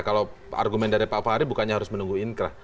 kalau argumen dari pak fahri bukannya harus menunggu inkrah